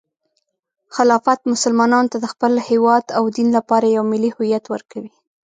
خلافت مسلمانانو ته د خپل هیواد او دین لپاره یو ملي هویت ورکوي.